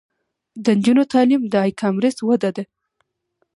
د نجونو تعلیم د ای کامرس وده ده.